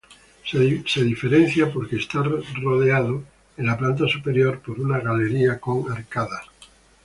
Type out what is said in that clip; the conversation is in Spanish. Se diferencia porque está rodeado en la planta superior por una galería con arcadas.